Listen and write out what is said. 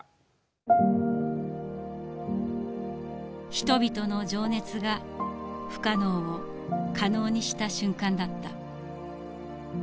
人々の情熱が不可能を可能にした瞬間だった。